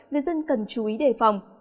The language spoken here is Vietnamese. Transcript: người dân cần chú ý đề phòng